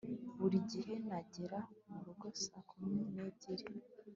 buri gihe nagera murugo saa kumi n'ebyiri